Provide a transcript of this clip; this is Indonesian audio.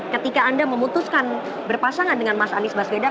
ketika anda memutuskan berpasangan dengan mas anies baswedan